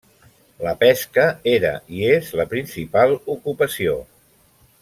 La pesca era i és la principal ocupació.